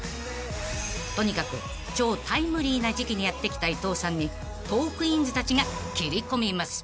［とにかく超タイムリーな時期にやって来た伊藤さんにトークィーンズたちが切り込みます］